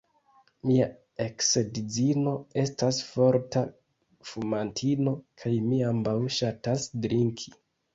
Mia eksedzino estas forta fumantino kaj ni ambaŭ ŝatas drinki.